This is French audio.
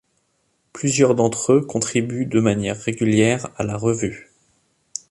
Plusieurs d’entre eux contribuent de manière régulière à la revue.